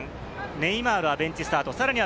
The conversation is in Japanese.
ネイマールはベンチスタート。